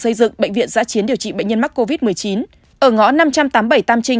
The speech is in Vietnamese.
xây dựng bệnh viện giã chiến điều trị bệnh nhân mắc covid một mươi chín ở ngõ năm trăm tám mươi bảy tam trinh